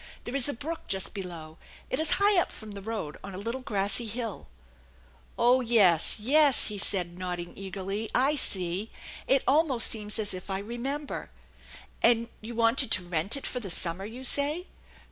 There is a brook just below, it is high up from the road on a little grassy hill." " Oh, yes, yes/' he said, nodding eagerly, " I see ! It almost seems as if I remember. And you wanted to rent it for the summer, you say?